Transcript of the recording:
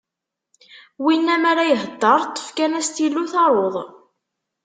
Winna m'ara ihedder, ṭṭef kan astilu taruḍ.